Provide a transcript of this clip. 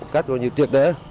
cách vào nhiều tuyệt đế